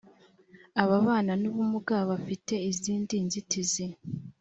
ababana n ‘ubumuga abafite izindi nzitizi